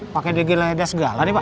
pake digeledah segala nih pak